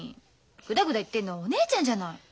グダグダ言ってるのはお姉ちゃんじゃない！